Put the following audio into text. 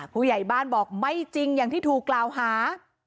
ผู้ใหญ่บ้านบอกไม่จริงอย่างที่ถูกกล่าวหา